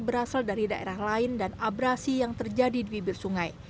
berasal dari daerah lain dan abrasi yang terjadi di bibir sungai